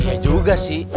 ya juga sih